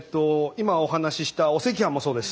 今お話ししたお赤飯もそうです。